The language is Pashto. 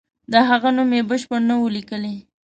د هغه نوم یې بشپړ نه وو لیکلی.